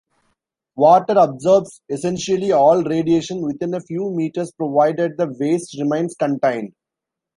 Water absorbs essentially all radiation within a few metres provided the waste remains contained.